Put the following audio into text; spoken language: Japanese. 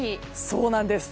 そうなんです。